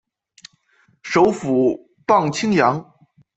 首府磅清扬。